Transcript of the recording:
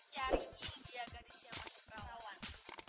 cariin dia gadisnya masing masing